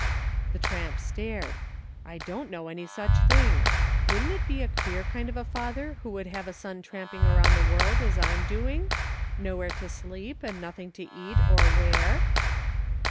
The tramp stared. "I don't know any such thing. Wouldn't it be a queer kind of a father who would have a son tramping around the world as I'm doing ? Nowhere to sleep, and nothing to eat, or wear